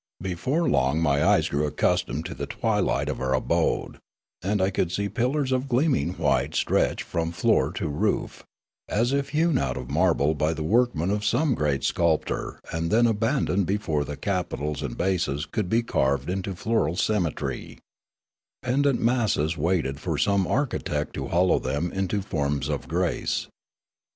Before long my eyes grew accustomed to the twilight of our abode, and I could see pillars of gleaming white stretch from floor to roof, as if hewn out of marble by the workmen of some great sculptor and then abandoned before the capitals and bases could be carved into floral symmetr5^ Pendent masses waited for some architect to hollow them into forms of grace.